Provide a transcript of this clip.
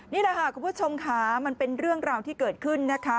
นี่แหละค่ะคุณผู้ชมค่ะมันเป็นเรื่องราวที่เกิดขึ้นนะคะ